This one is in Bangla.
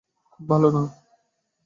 খুব ভালো না।